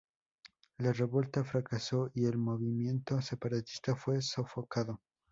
La revuelta fracasó y el movimiento separatista fue sofocado.